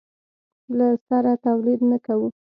له سره تولید نه کوو.